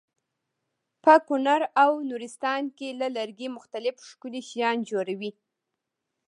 په کونړ او نورستان کې له لرګي مختلف ښکلي شیان جوړوي.